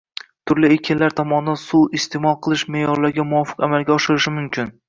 turli ekinlar tomonidan suv iste’mol qilish me’yorlariga muvofiq amalga oshirilishi mumkin.